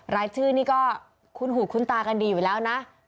รายชื่อนี่ก็คุ้นหูคุ้นตากันดีอยู่แล้วนะ